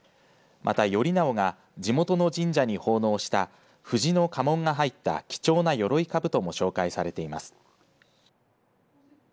また、頼直が地元の神社に奉納した藤の家紋が入った貴重なよろいかぶとも紹介されています。